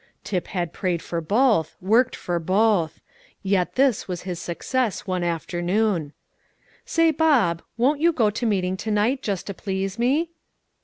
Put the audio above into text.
Tip had prayed for both, worked for both; but this was his success one afternoon. "Say, Bob, won't you go to meeting to night, just to please me?"